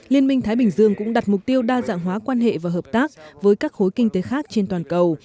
liên minh thái bình dương cũng đặt mục tiêu đa dạng hóa quan hệ và hợp tác với các khối kinh tế khác trên toàn cầu